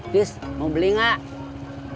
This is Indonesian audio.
tis mau beli gak